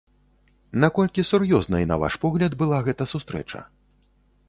Наколькі сур'ёзнай, на ваш погляд, была гэта сустрэча?